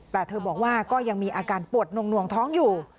แต่เธอบอกว่าก็ยังมีอาการปวดหน่วงท้องอยู่